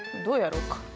どうやろうか？